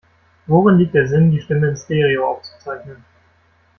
Worin liegt der Sinn, die Stimme in Stereo aufzuzeichnen?